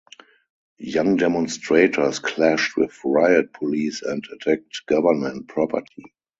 Young demonstrators clashed with riot police and attacked government property.